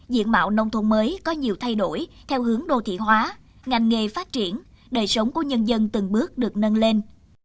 diện mạo nông thôn mới có nhiều thay đổi theo hướng đô thị hóa ngành nghề phát triển đời sống của nhân dân từng bước được nâng lên